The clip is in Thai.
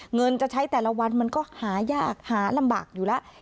เงินจะใช้แต่ละวันมันก็หายากหาลำบากอยู่แล้ว